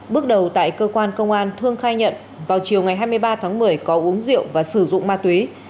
bước đầu tại cơ quan công an thương khai nhận vào chiều ngày hai mươi ba tháng một mươi có uống rượu và sử dụng ma túy